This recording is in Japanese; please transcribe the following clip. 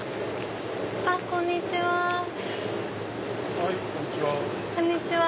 あっこんにちは。